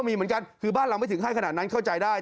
มีเหมือนกันคือบ้านเราไม่ถึงให้ขนาดนั้นเข้าใจได้